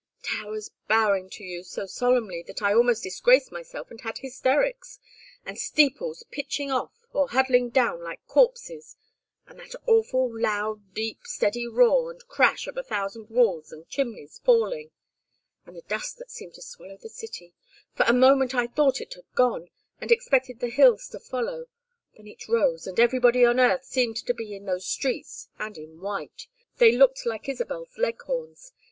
Towers bowing to you so solemnly that I almost disgraced myself and had hysterics. And steeples pitching off, or huddling down like corpses. And that awful loud deep steady roar and crash of a thousand walls and chimneys falling. And the dust that seemed to swallow the city. For a moment I thought it had gone, and expected the hills to follow. Then it rose and everybody on earth seemed to be in those streets and in white. They looked like Isabel's Leghorns.